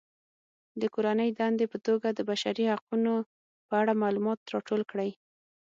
د کورنۍ دندې په توګه د بشري حقونو په اړه معلومات راټول کړئ.